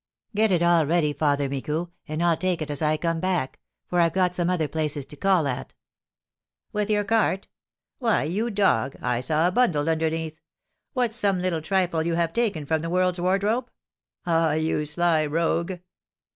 "Get it all ready, Father Micou, and I'll take it as I come back; for I've got some other places to call at." "With your cart? Why, you dog, I saw a bundle underneath. What, some little trifle you have taken from the world's wardrobe? Ah, you sly rogue!"